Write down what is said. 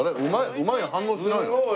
「うまい」は反応しないの？